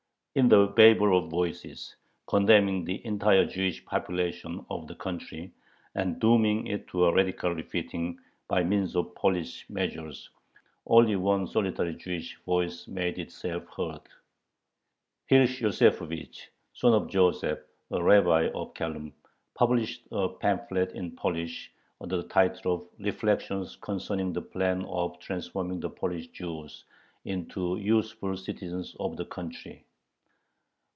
In the babel of voices condemning the entire Jewish population of the country and dooming it to a radical "refitting" by means of police measures, only one solitary Jewish voice made itself heard. Hirsch Yosefovich (son of Joseph), a rabbi of Khelm, published a pamphlet in Polish, under the title "Reflections Concerning the Plan of Transforming the Polish Jews into Useful Citizens of the Country."